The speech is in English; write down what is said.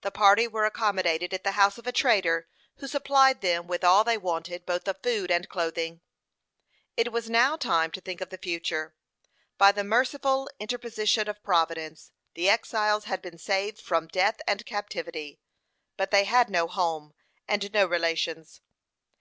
The party were accommodated at the house of a trader, who supplied them with all they wanted, both of food and clothing. It was now time to think of the future. By the merciful interposition of Providence, the exiles had been saved from death and captivity; but they had no home, and no relations.